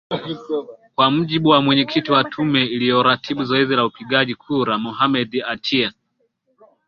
kwa mujibu wa mwenyekiti wa tume iliyoratibu zoezi la upigaji kura mohammed atia